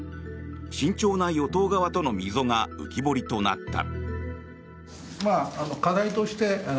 慎重な与党側との溝が浮き彫りとなった。